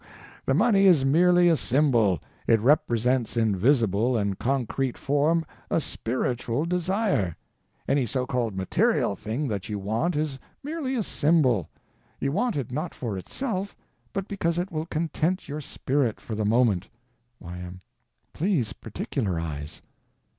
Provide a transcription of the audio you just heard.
The money is merely a symbol—it represents in visible and concrete form a _spiritual desire. _Any so called material thing that you want is merely a symbol: you want it not for itself, but because it will content your spirit for the moment. Y.M. Please particularize.